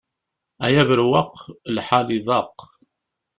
Ay aberwaq, lḥal iḍaq.